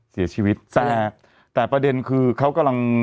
เสียชีวิตแต่แต่ประเด็นคือเขากำลัง